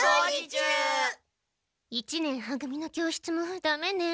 一年は組の教室もダメね。